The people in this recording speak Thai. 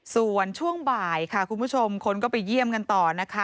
ส่วนช่วงบ่ายค่ะคุณผู้ชมคนก็ไปเยี่ยมกันต่อนะคะ